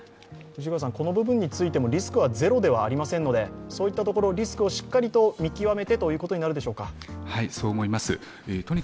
この部分についてもリスクはゼロではありませんので、そういったリスクをしっかりと見極めてということになりますか？